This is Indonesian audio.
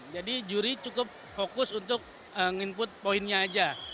jadi juri cukup fokus untuk nginput poinnya aja